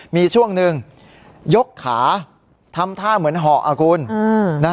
มีช่วงหนึ่งยกขาทำท่าเหมือนเหาะอ่ะคุณอืมนะฮะ